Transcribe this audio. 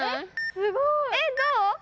すごい！えっどう？